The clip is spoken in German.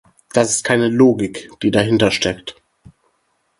Das ist keine Logik, die dahinter steckt.